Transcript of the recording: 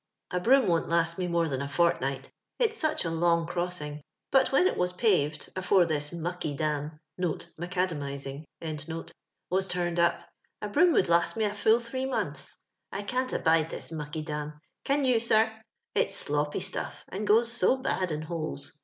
A broom won't last me more than a fortnight, it's such a long crossing ; but when it was paved, afore Uiis mucky dam (macadamising) was turned up, a broom would last me a full three months. I cant abide this muckydam — can you, sir? it's sloppy stuff, and goes so bad in holes.